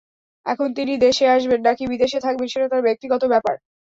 এখন তিনি দেশে আসবেন, নাকি বিদেশে থাকবেন, সেটা তাঁর ব্যক্তিগত ব্যাপার।